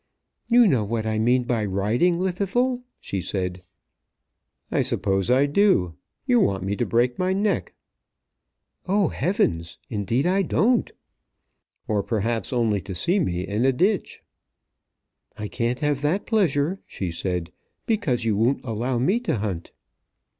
"You know what I mean by riding, Llwddythlw," she said. "I suppose I do. You want me to break my neck." "Oh, heavens! Indeed I don't." "Or, perhaps, only to see me in a ditch." "I can't have that pleasure," she said, "because you won't allow me to hunt."